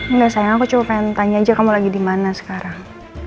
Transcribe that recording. enggak sayang aku cuma pengen tanya aja kamu lagi di mana sekarang